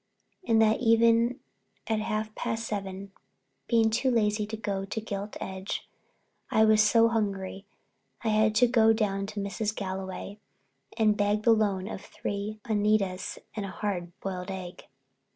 And that evening at half past seven, being too lazy to go to the Gilt Edge, I was so hungry I had to go down to Mrs. Galway and beg the loan of three Uneedas and a hard boiled egg.